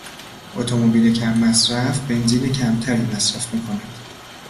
اتومبیل کم مصرف بنزین کمتری مصرف میکند.